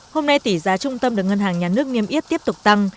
hôm nay tỷ giá trung tâm được ngân hàng nhà nước niêm yết tiếp tục tăng